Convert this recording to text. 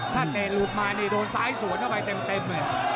ถ้าเตะหลุดมานี่โดนซ้ายสวนเข้าไปเต็มเลย